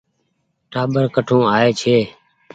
ٽآٻر ڪٺون آئي ڇي۔